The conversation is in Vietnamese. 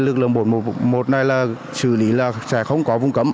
lực lượng một trăm bốn mươi một này xử lý là sẽ không có vùng cấm